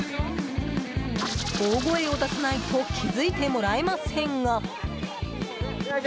大声を出さないと気付いてもらえませんが。